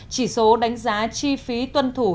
chỉ số đánh giá chi phí tuân thủ